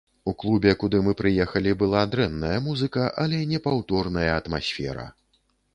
У клубе, куды мы прыехалі, была дрэнная музыка, але непаўторная атмасфера.